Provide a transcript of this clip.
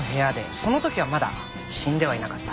その時はまだ死んではいなかった。